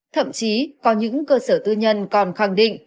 thậm chí có những cơ sở tư nhân còn khẳng định